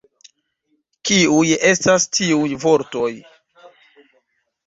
Kiuj estas tiuj vortoj?